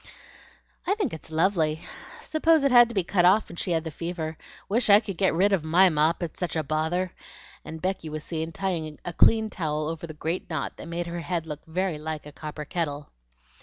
"I think it's lovely. Suppose it had to be cut off when she had the fever. Wish I could get rid of my mop, it's such a bother;" and Becky was seen tying a clean towel over the great knot that made her head look very like a copper kettle.